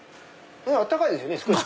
温かいですよね少し。